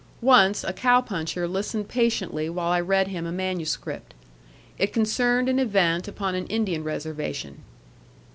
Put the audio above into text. Once a cow puncher listened patiently while I read him a manuscript. It concerned an event upon an Indian reservation.